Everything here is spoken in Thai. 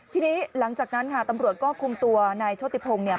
ทีนี้หลังจากนั้นค่ะตำรวจก็คุมตัวนายโชติพงศ์เนี่ย